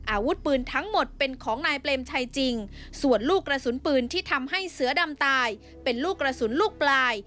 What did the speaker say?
อาวุธปืนทั้งหมดเป็นของนายเปรมชัยจริงส่วนลูกกระสุนปืนที่ทำให้เสือดำตายเป็นลูกกระสุนลูกปลาย